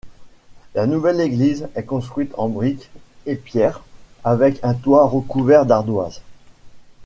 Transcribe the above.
La nouvelle église est construite en brique et pierre avec un toit recouvert d'ardoises.